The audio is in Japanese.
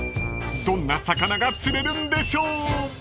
［どんな魚が釣れるんでしょう？］